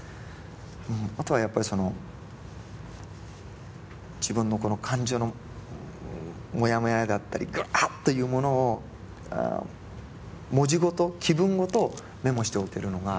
あとはやっぱりその自分のこの感情のもやもやだったりグワッというものを文字ごと気分ごとメモしておけるのが。